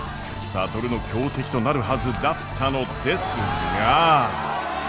智の強敵となるはずだったのですが。